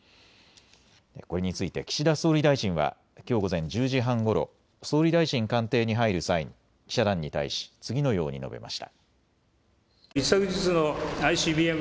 これについて岸田総理大臣はきょう午前１０時半ごろ、総理大臣官邸に入る際に記者団に対し次のように述べました。